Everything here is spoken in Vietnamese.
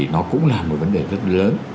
nó cũng là một vấn đề rất lớn